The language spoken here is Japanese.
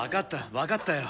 分かったよ。